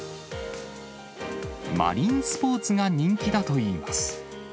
マリンスポーツが人気だといいます。